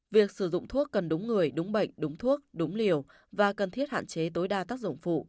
việc sử dụng thuốc cần đúng người đúng bệnh đúng thuốc đúng liều và cần thiết hạn chế tối đa tác dụng phụ